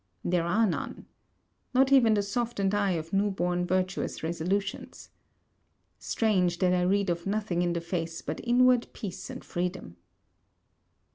There are none. Not even the softened eye of new born virtuous resolutions. Strange, that I read of nothing in that face but inward peace and freedom!